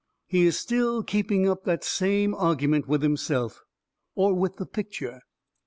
He is still keeping up that same old argument with himself, or with the picture.